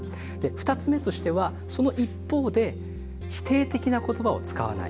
２つ目としてはその一方で否定的な言葉を使わない。